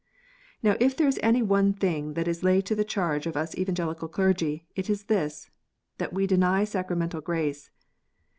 Now if there is any one thing that is laid to the charge of us Evangelical clergy, it is this, that we deny sacramental grace.